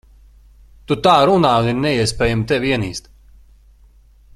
Tu tā runā, un ir neiespējami tevi ienīst.